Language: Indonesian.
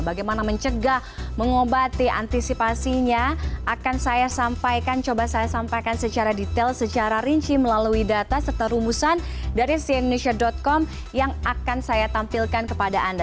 bagaimana mencegah mengobati antisipasinya akan saya sampaikan coba saya sampaikan secara detail secara rinci melalui data serta rumusan dari siendusia com yang akan saya tampilkan kepada anda